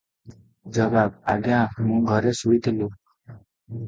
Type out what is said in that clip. ଜବାବ - ଆଜ୍ଞା ମୁଁ ଘରେ ଶୋଇଥିଲି ।